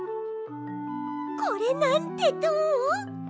これなんてどう？